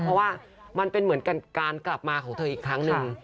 เพราะว่ามันเป็นเหมือนการกลับมาของเธออีกครั้งหนึ่ง